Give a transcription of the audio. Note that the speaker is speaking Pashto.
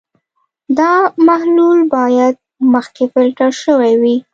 دا محلول باید مخکې فلټر شوی وي.